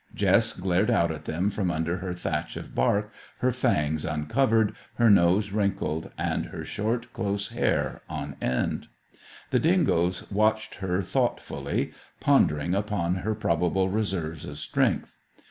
Jess glared out at them from under her thatch of bark, her fangs uncovered, her nose wrinkled, and her short close hair on end. The dingoes watched her thoughtfully, pondering upon her probable reserves of strength.